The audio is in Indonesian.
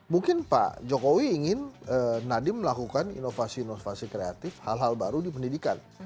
mungkin pak jokowi ingin nadiem melakukan inovasi inovasi kreatif hal hal baru di pendidikan